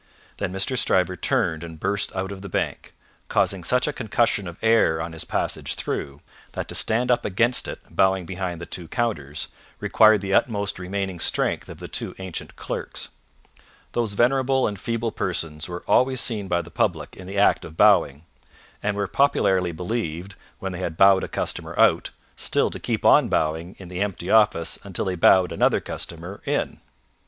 Then Mr. Stryver turned and burst out of the Bank, causing such a concussion of air on his passage through, that to stand up against it bowing behind the two counters, required the utmost remaining strength of the two ancient clerks. Those venerable and feeble persons were always seen by the public in the act of bowing, and were popularly believed, when they had bowed a customer out, still to keep on bowing in the empty office until they bowed another customer in.